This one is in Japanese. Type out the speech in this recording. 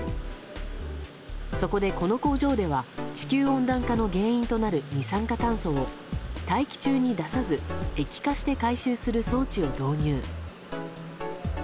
そこで、この工場では地球温暖化の原因となる二酸化炭素を大気中に出さず液化して回収する装置を導入。